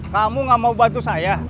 kamu gak mau bantu saya